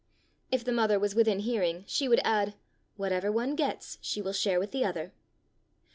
If the mother was within hearing she would add, "Whatever one gets she will share with the other."